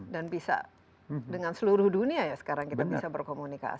dan bisa dengan seluruh dunia ya sekarang kita bisa berkomunikasi